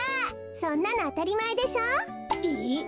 そんなのあたりまえでしょ？え？